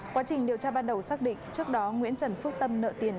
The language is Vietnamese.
quá trình điều tra ban đầu xác định trước đó nguyễn trần phước tâm nợ tiền